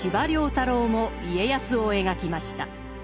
太郎も家康を描きました。